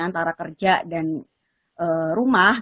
antara kerja dan ee rumahnya